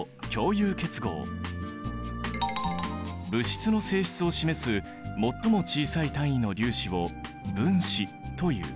物質の性質を示す最も小さい単位の粒子を分子という。